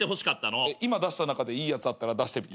今出した中でいいやつあったら出してみて。